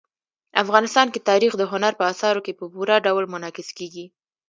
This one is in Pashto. افغانستان کې تاریخ د هنر په اثارو کې په پوره ډول منعکس کېږي.